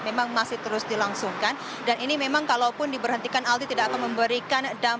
memang masih terus dilangsungkan dan ini memang kalaupun diberhentikan aldi tidak akan memberikan